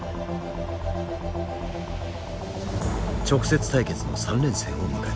直接対決の３連戦を迎えた。